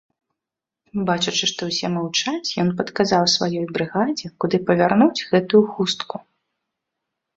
Бачачы, што ўсе маўчаць, ён падказаў сваёй брыгадзе, куды павярнуць гэтую хустку.